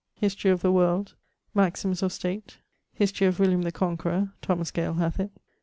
Historie of the World. Maximes of State. History of William the Conqueror Thomas Gale hath it.